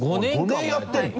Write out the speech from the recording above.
５年やってるの？